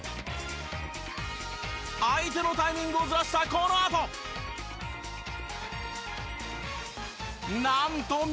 相手のタイミングをずらしたこのあと。